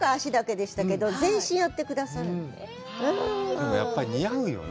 でも、やっぱり似合うよな？